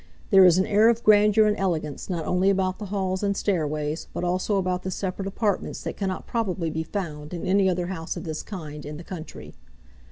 There is an air of grandeur and elegance not only about the halls and stairways but also about the separate apartments that cannot probably be found in any other house of this kind in the country.